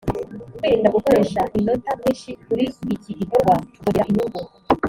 kwirinda gukoresha iminota myinshi kuri iki gikorwa byongera inyungu.